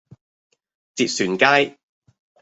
捷船街